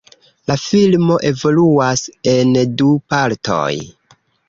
La filmo evoluas en du partoj.